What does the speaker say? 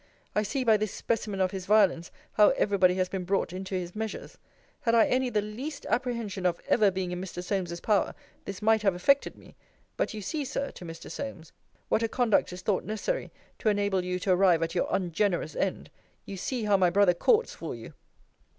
I see by this specimen of his violence, how every body has been brought into his measures. Had I any the least apprehension of ever being in Mr. Solmes's power, this might have affected me. But you see, Sir, to Mr. Solmes, what a conduct is thought necessary to enable you to arrive at your ungenerous end. You see how my brother courts for you.